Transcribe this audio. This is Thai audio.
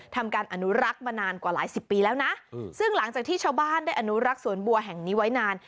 ทำการอนุรักษ์มานานกว่าหลายสิบปีแล้วนะซึ่งหลังจากที่ชาวบ้านได้อนุรักษ์สวนบัวแห่งนี้ไว้นาน